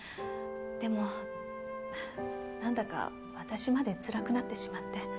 でもなんだか私までつらくなってしまって。